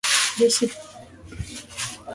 jeshi pale vinapambana na waasi